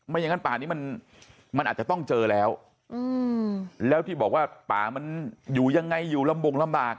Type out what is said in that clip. อย่างนั้นป่านี้มันอาจจะต้องเจอแล้วแล้วที่บอกว่าป่ามันอยู่ยังไงอยู่ลำบงลำบาก